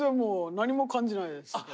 何も感じないですけど。